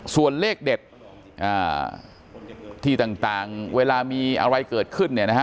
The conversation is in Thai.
ส่วนเลขเด็ดที่ต่างเวลามีอะไรเกิดขึ้นเนี่ยนะฮะ